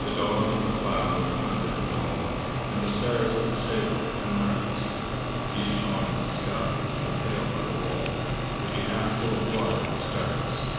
The Dog, and the Plough, and the Hunter, and all, And the star of the sailor, and Mars, These shone in the sky, and the pail by the wall Would be half full of water and stars.